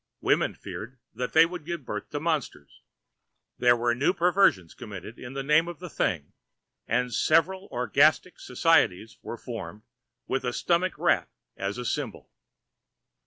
Women feared that they would give birth to monsters. There were new perversions committed in the name of the thing, and several orgiastic societies were formed with the stomach rat as a symbol.